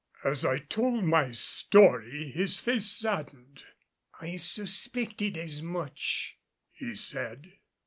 As I told my story his face saddened. "I suspected as much," he said.